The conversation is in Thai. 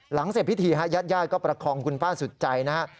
หลังเสร็จพิธียาดก็ประคองคุณป้าสุดใจนะฮะ